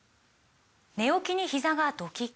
寝起きにひざがドキッ！